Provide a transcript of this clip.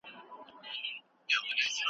مېړانه په عمل کې ده نه په خبرو.